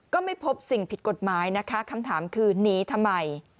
ก็ไม่พบสิ่งผิดกฎหมายนะคะคำถามคือหนีทำไม